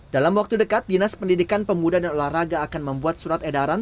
dalam waktu dekat dinas pendidikan pemuda dan olahraga akan membuat surat edaran